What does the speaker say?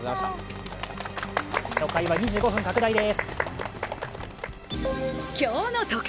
初回は２５分拡大です。